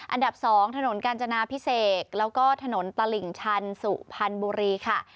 อันดับ๒ถนนกาญจนาพิเศษแล้วก็ถนนตลิ่งชันสุพรรณบุรีค่ะ